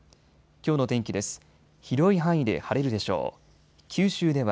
きょうの天気です。